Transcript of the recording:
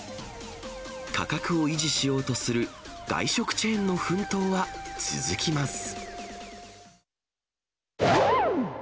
価格を維持しようとする外食チェーンの奮闘は続きます。